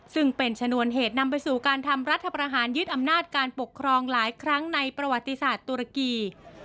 ซึ่งเป็นชนวนเหตุนำไปสู่การทำรัฐประหารยึดอำนาจการปกครองหลายครั้งในประวัติศาสตร์ตุรกี